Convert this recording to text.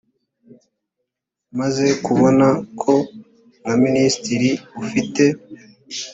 amaze kubona ko nka minisitiri ufite